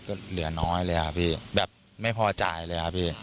ก็เหลือน้อยเลยครับพี่แบบไม่พอจ่ายเลยครับพี่